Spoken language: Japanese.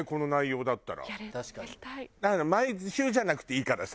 毎週じゃなくていいからさ。